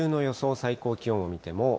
最高気温を見ても。